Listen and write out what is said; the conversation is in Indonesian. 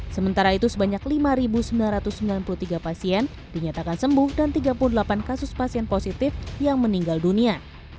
sementara itu sebanyak lima sembilan ratus sembilan puluh tiga pasien dinyatakan sembuh dan tiga puluh delapan kasus pasien positif yang meninggal dunia